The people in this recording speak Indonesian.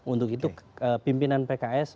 untuk itu pimpinan pks